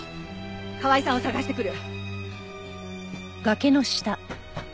河合さんを捜してくる！